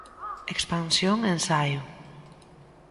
Expansión ensaio.